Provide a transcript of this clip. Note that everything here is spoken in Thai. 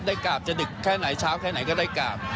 กราบจะดึกแค่ไหนเช้าแค่ไหนก็ได้กราบ